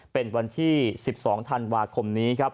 เป็นวันที่๑๒ธันวาคมนี้ครับ